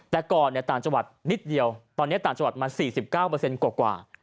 แต่ก่อนต่างจังหวัดนิดเดียวตอนนี้ต่างจังหวัดมา๔๙กว่า